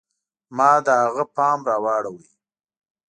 ما د هغه پام را واړوه.